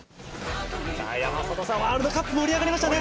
山里さん、ワールドカップ盛り上がりましたね！